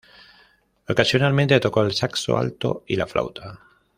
Ocasionalmente, tocó el saxo alto y la flauta.